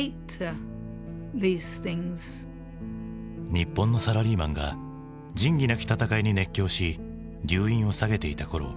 日本のサラリーマンが「仁義なき戦い」に熱狂し留飲を下げていたころ